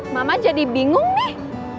mama jadi bingung nih